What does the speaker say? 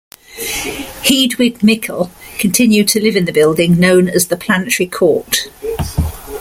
Hedwig Michel continued to live in the building known as the "Planetary Court".